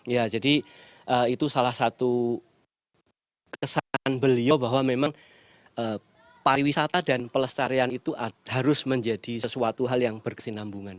ya jadi itu salah satu kesan beliau bahwa memang pariwisata dan pelestarian itu harus menjadi sesuatu hal yang berkesinambungan